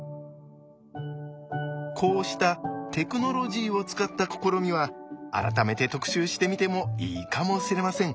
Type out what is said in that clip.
こうしたテクノロジーを使った試みは改めて特集してみてもいいかもしれません。